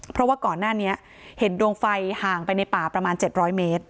เพราะว่าก่อนหน้านี้เห็นดวงไฟห่างไปในป่าประมาณ๗๐๐เมตร